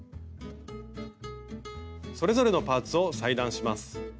それぞれのパーツを裁断します。